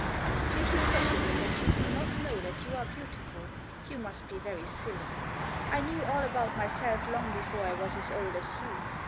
" Is it possible that you do not know that you are beautiful? You must be very silly. I knew all about myself long before I was as old as you.